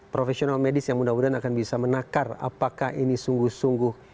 profesional medis yang mudah mudahan akan bisa menakar apakah ini sungguh sungguh